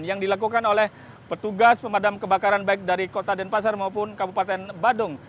yang dilakukan oleh petugas pemadam kebakaran baik dari kota denpasar maupun kabupaten badung